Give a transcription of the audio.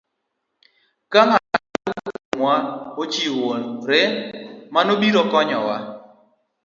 Ka ng'ato ka ng'ato kuomwa ochiwore, mano biro konyowa.